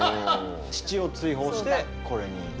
父を追放してこれに。